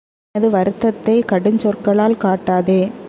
உனது வருத்தத்தைக் கடுஞ்சொற்களால் காட்டாதே.